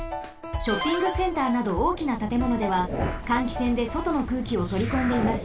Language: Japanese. ショッピングセンターなどおおきなたてものでは換気扇でそとの空気をとりこんでいます。